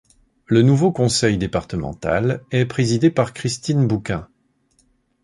Le nouveau Conseil départemental est présidé par Christine Bouquin.